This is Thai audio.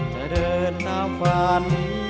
จะเดินตามฝัน